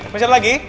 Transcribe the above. masih ada lagi